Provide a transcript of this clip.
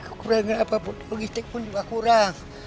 kekurangan apapun logistik pun juga kurang